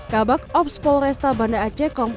kabak ops polresta banda aceh